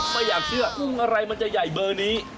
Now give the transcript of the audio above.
ไม่อยากเชื่ออะไรมันจะใหญ่เบอร์นี้